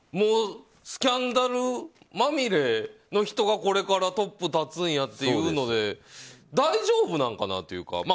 スキャンダルまみれの人がこれからトップ立つんやっていうので大丈夫なんかなというか。